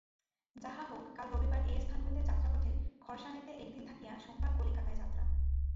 যাহা হউক কাল রবিবার এ-স্থান হইতে যাত্রাপথে খর্সানেতে একদিন থাকিয়া সোমবার কলিকাতায় যাত্রা।